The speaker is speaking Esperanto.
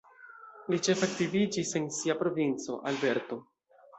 Li ĉefe aktiviĝis en sia provinco Alberto.